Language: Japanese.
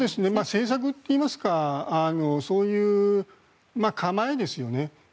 政策といいますかそういう構えですよね。